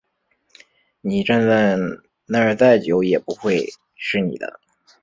你站在那再久也不会是你的